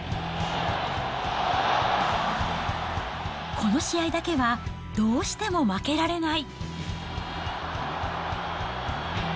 この試合だけはどうしても負けられない。